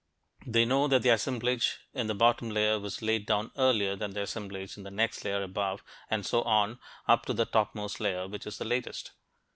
They know that the assemblage in the bottom layer was laid down earlier than the assemblage in the next layer above, and so on up to the topmost layer, which is the latest.